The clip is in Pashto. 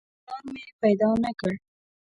پلار مې پیدا نه کړ.